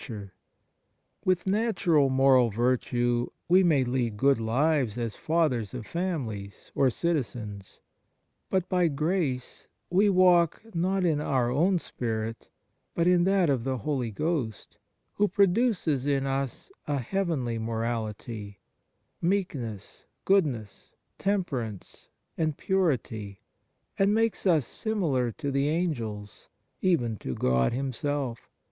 102 EFFECT AND FRUITS OF DIVINE GRACE With natural moral virtue we may lead good lives as fathers of families or citizens ; but by grace we walk, not in our own spirit, but in that of the Holy Ghost, who produces in us a heavenly morality, meek ness, goodness, temperance, and purity, and makes us similar to the Angels, even to God Himself.